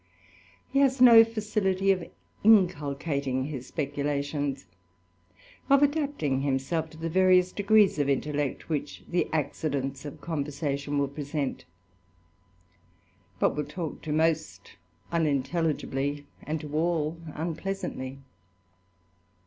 He has no facility of inculcating his speculations, of adapting himself to the various degrees of intellect which the accidents of conversation will present ; but will talk to most unintelligibly, and to all unpleasantiy.